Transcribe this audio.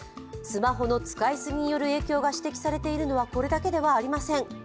スマホの使いすぎによる影響が指摘されているのは、これだけではありません。